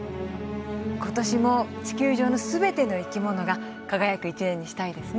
今年も地球上の全ての生きものが輝く一年にしたいですね。